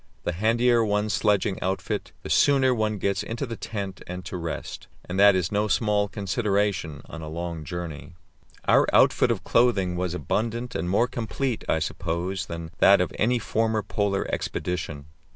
The handier one's sledging outfit, the sooner one gets into the tent and to rest, and that is no small consideration on a long journey. Our outfit of clothing was abundant and more complete, I suppose, than that of any former Polar expedition.